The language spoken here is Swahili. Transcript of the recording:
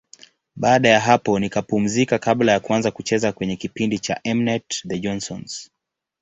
Baada ya hapo nikapumzika kabla ya kuanza kucheza kwenye kipindi cha M-net, The Johnsons.